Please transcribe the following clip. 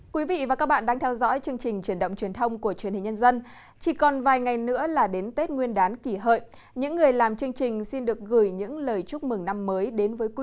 các bạn hãy đăng ký kênh để ủng hộ kênh của chúng mình nhé